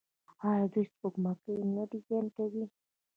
آیا دوی سپوږمکۍ نه ډیزاین کوي؟